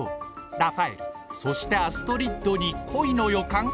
ラファエルそしてアストリッドに恋の予感？